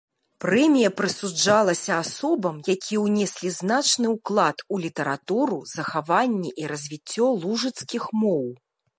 Прэмія прысуджалася асобам, якія ўнеслі значны ўклад у літаратуру, захаванне і развіццё лужыцкіх моў.